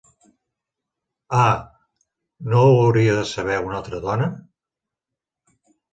Ah... No ho hauria de saber una altra dona?